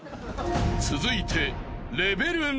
［続いて］